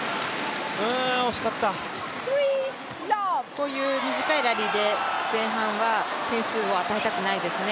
こういう短いラリーで前半は点数を与えたくないですね。